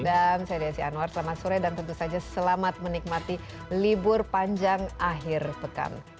dan saya desi anwar selamat sore dan tentu saja selamat menikmati libur panjang akhir pekan